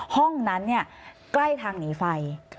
ห้องนั้นใกล้ทางหนีไฟ